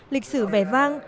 lịch sử vẻ vang